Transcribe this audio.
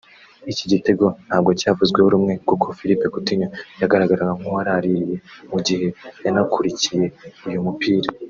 Iki gitego ntabwo cyavuzweho rumwe kuko Philippe Coutinho yagaragaraga nk'uwaraririye mu gihe yanakurikiye uyu mupira